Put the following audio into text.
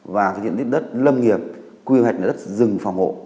và cái diện tích đất lâm nghiệp quy hoạch là đất rừng phòng hộ